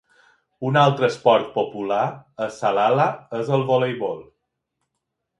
Un altre esport popular a Salalah és el voleibol.